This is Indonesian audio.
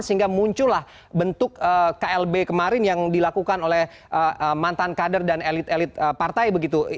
sehingga muncullah bentuk klb kemarin yang dilakukan oleh mantan kader dan elit elit partai begitu